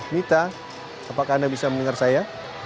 mita apakah anda bisa mendengar saya